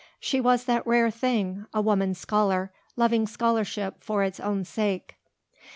She was that rare thing, a woman scholar, loving scholarship for its own sake.